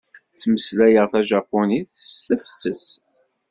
Ttmeslayeɣ tajapunit s tefses.